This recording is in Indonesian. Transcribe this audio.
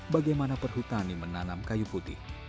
bagaimana perhutani menanam kayu putih